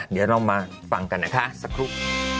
เดี๋ยวเรามาฟังกันนะคะสักครู่